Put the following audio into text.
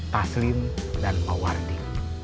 taslim dan emang wardi